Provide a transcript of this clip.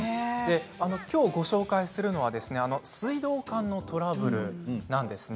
きょう、ご紹介するのは水道管のトラブルなんですね。